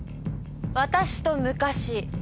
私と昔。